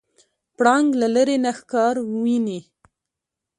پړانګ له لرې نه ښکار ویني.